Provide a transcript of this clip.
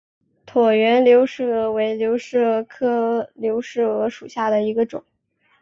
椭圆流石蛾为流石蛾科流石蛾属下的一个种。